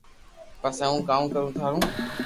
پسي ھون ڪاوُ ڪرو ٿارو